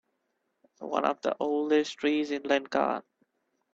One of the oldest trees in Lincoln.